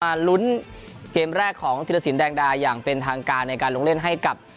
ลุ้นเกมแรกของธิรสินแดงดาอย่างเป็นทางการในการลงเล่นให้กับ